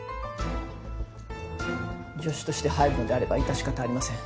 助手として入るのであれば致し方ありません。